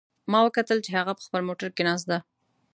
ما وکتل چې هغه په خپل موټر کې ناست ده